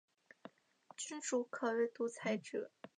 君主可为独裁者。